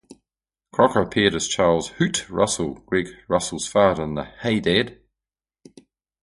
Crocker appeared as Charles "Hoot" Russell, Greg Russell's father in the "Hey Dad..!